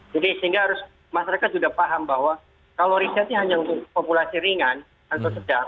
jadi sehingga harus masyarakat sudah paham bahwa kalau risetnya hanya untuk populasi ringan atau sedang